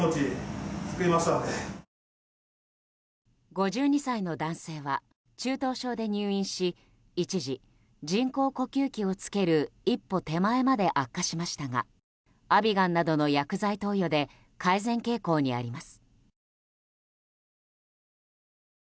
５２歳の男性は中等症で入院し一時、人工呼吸器を着ける一歩手前まで悪化しましたがアビガンなどの薬剤投与で改善傾向にあります。